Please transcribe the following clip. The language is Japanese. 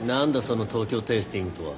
その東京テイスティングとは。